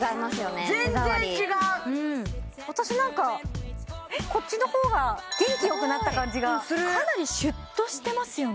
手触り私何かこっちの方が元気よくなった感じがするかなりシュッとしてますよね